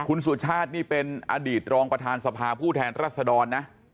คุณสุชาตินี่เป็นอดีตรองประธานสภาผู้แทนรัศดรนะ